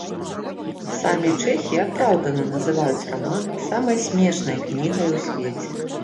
Самі чэхі апраўдана называюць раман самай смешнай кнігай у свеце.